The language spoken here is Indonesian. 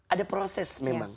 ada proses memang